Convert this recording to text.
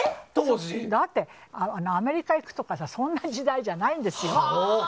だって、アメリカ行くとかそんな時代じゃないんですよ。